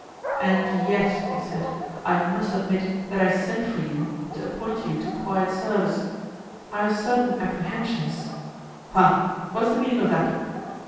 "And yet," he said, "I must admit that I sent for you to appoint you to quiet service; I have certain apprehensions—well, what is the meaning of that?"